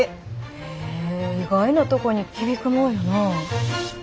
へえ意外なとこに響くもんやな。